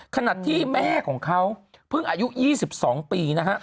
ขนาดที่แม่ของเขาเพิ่งอายุ๒๒ปี